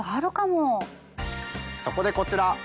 そこでこちら。